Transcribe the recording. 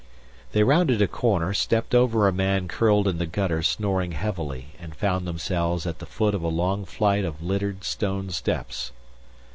They rounded a corner, stepped over a man curled in the gutter snoring heavily and found themselves at the foot of a long flight of littered stone steps.